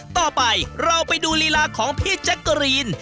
ต่อไปเราไปดูลีลาของพี่แจ๊กกะรีน